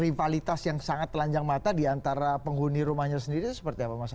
rivalitas yang sangat telanjang mata diantara penghuni rumahnya sendiri itu seperti apa mas